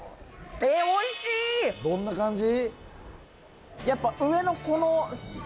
どんな感じ？